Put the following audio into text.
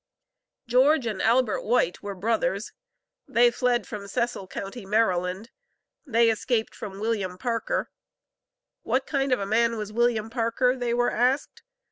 George and Albert White were brothers. They fled from Cecil county, Maryland. They escaped from William Parker. "What kind of a man was William Parker?" they were asked.